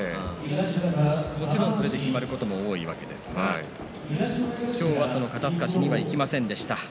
もちろん、それできまることも多いわけですが今日はその肩すかしにはいきませんでした。